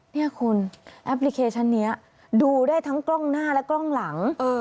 เนี่ยคุณแอปพลิเคชันนี้ดูได้ทั้งกล้องหน้าและกล้องหลัง